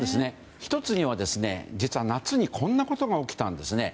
１つには実は夏にこんなことが起きたんですね。